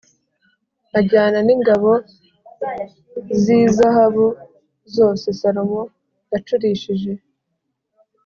ajyana n’ingabo z’izahabu zose Salomo yacurishije